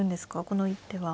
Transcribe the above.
この一手は。